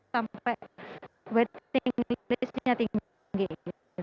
sampai waiting list nya tinggi